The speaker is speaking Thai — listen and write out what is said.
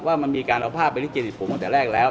ว่ามันมีการเอาภาพไปลิเกที่ผมตั้งแต่แรกแล้ว